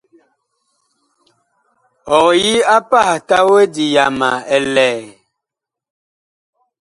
Ɔg yi a pah tawedi yama ɛ lɛ ?